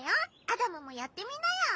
アダムもやってみなよ。